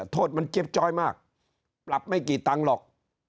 โทษมันเจ็บจ้อยมากปรับไม่กี่ตังค์หรอก